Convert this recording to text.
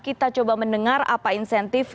kita coba mendengar apa insentif